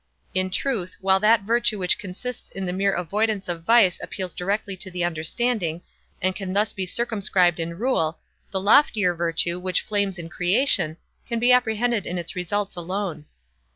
In truth, while that virtue which consists in the mere avoidance of vice appeals directly to the understanding, and can thus be circumscribed in rule, the loftier virtue, which flames in creation, can be apprehended in its results alone.